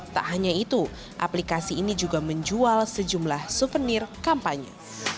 tak hanya itu aplikasi ini juga menjual sejumlah souvenir kampanye